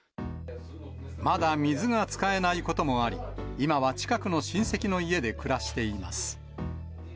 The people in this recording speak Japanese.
まだ水が使えないこともあり、今は近くの親戚の家で暮らしています。